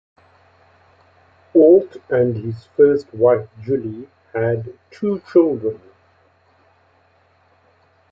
Ault and his first wife Julie had two children.